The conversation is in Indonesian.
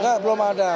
nggak belum ada